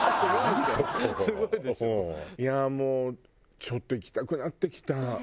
いやもうちょっと行きたくなってきた。